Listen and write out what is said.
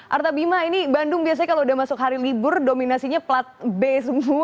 arta bima ini bandung biasanya kalau udah masuk hari libur ya ini ada teman teman yang lainnya ini ada arta bima di bandung